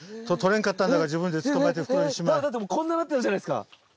こんななってたじゃないすか。